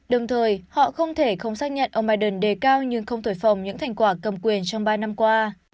đồng thời họ không thể không xác nhận ông biden đề cao nhưng không thổi phòng những thành quả cầm quyền trong ba năm qua